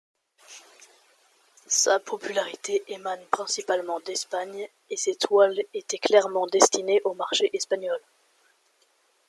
Sa popularité émane principalement d’Espagne et ses toiles étaient clairement destinées au marché espagnol.